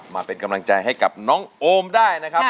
มาเป็นกำลังใจให้กับน้องโอมได้นะครับ